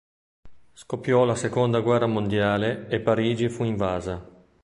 Scoppiò la seconda guerra mondiale e Parigi fu invasa.